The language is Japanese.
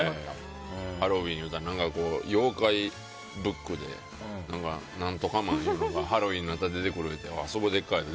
ハロウィーンいったら妖怪ブックで何とかマンいうのがハロウィーンなったら出てくるいうんでそうでっかって。